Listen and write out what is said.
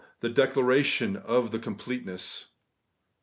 THE DECLARATION OF THE COMPLETENESS